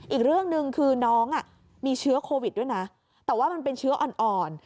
อีกเรื่องหนึ่งคือน้องมีเชื้อโควิดด้วยนะแต่ว่ามันเป็นเชื้ออ่อน